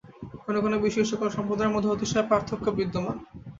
কোন কোন বিষয়ে এই-সকল সম্প্রদায়ের মধ্যে অতিশয় পার্থক্য বিদ্যমান।